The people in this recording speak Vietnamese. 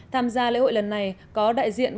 tham gia lễ hội lần này có đại diện